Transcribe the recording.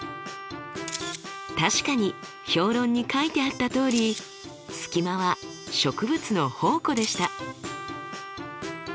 確かに評論に書いてあったとおりスキマは植物の宝庫でした。